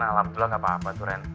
alhamdulillah gapapa tuh ren